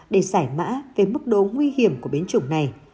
để giải mã về mức độ nguy hiểm của biến chủng này